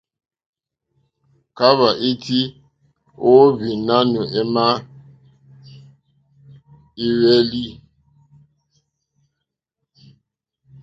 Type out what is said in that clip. Kahva iti o ohwi nanù ema i hwelì e?